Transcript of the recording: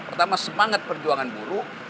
pertama semangat perjuangan buruk